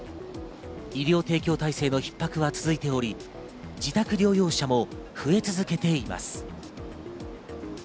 医療提供体制の逼迫が続いており、自宅療養者も増え続けています。